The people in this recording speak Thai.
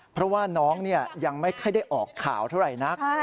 เพราะว่าน้องยังไม่ค่อยได้ออกข่าวเท่าไหร่นัก